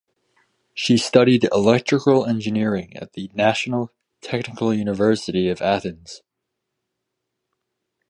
She studied electrical engineering at the National Technical University of Athens.